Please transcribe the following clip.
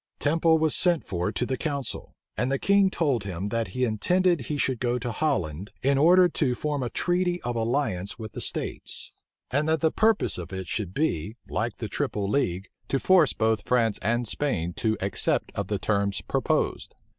Temple was sent for to the council; and the king told him, that he intended he should go to Holland, in order to form a treaty of alliance with the states; and that the purpose of it should be, like the triple league, to force both France and Spain to accept of the terms proposed.